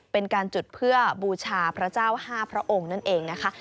เป็นการจุดเพื่อบูชาพระเจ้า๕พระองค์นั่นเองนะคะ